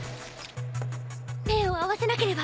目を合わせなければ。